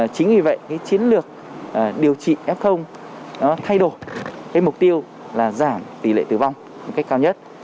chính vì vậy chiến lược điều trị f nó thay đổi cái mục tiêu là giảm tỷ lệ tử vong một cách cao nhất